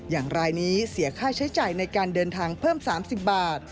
อย่างรายนี้เสียค่าใช้จ่ายในการเดินทางเพิ่ม๓๐บาท